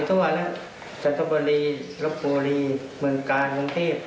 ก็รายได้เข้ามาแบ่งท่าข้าวกัน